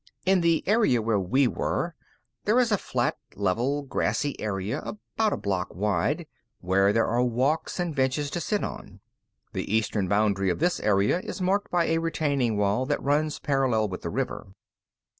In the area where we were, there is a flat, level, grassy area about a block wide, where there are walks and benches to sit on. The eastern boundary of this area is marked by a retaining wall that runs parallel with the river.